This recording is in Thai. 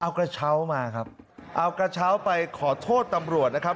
เอากระเช้ามาครับเอากระเช้าไปขอโทษตำรวจนะครับ